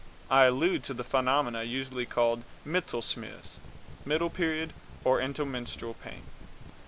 I allude to the phenomenon usually called Mittelschmerz, middle period, or intermenstrual pain.